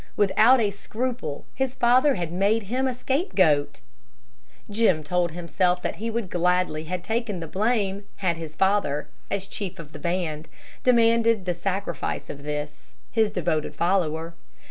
Without a scruple, his father had made him a scapegoat. Jim told himself that he would gladly have taken the blame had his father, as chief of the band, demanded the sacrifice of this, his devoted follower.